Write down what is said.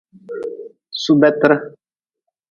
Subetre.